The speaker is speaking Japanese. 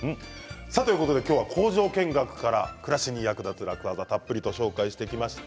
今日は工場見学から暮らしに役立つ楽ワザご紹介してきました。